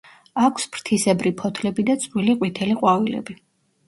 აქვს ფრთისებრი ფოთლები და წვრილი ყვითელი ყვავილები.